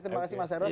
terima kasih mas eros